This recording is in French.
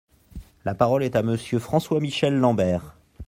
La parole est à Monsieur François-Michel Lambert.